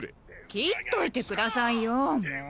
切っといて下さいよも。